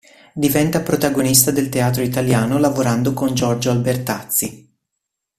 Diventa protagonista del teatro italiano lavorando con Giorgio Albertazzi.